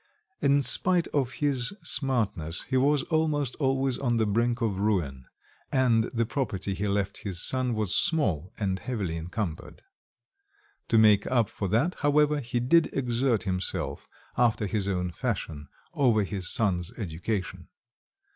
In spite of his smartness, he was almost always on the brink of ruin, and the property he left his son was small and heavily encumbered. To make up for that, however, he did exert himself, after his own fashion, over his son's education.